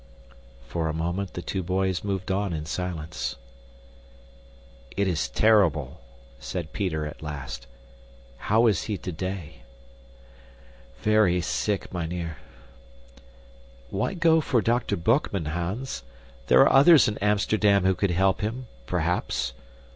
For a moment the two boys moved on in silence. "It is terrible," said Peter at last. "How is he today?" "Very sick, mynheer." "Why go for Dr. Boekman, Hans? There are others in Amsterdam who could help him, perhaps.